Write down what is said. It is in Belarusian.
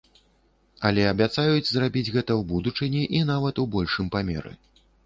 Але абяцаюць зрабіць гэта ў будучыні і нават у большым памеры.